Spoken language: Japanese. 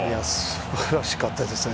素晴らしかったですね。